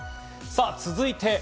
続いて。